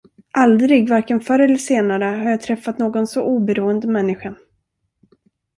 Aldrig, varken förr eller senare har jag träffat någon så oberoende människa.